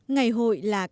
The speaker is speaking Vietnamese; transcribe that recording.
ngày hội là các bạn